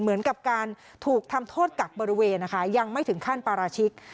เหมือนกับการถูกทำโทษกักบริเวณนะคะยังไม่ถึงขั้นปราชิก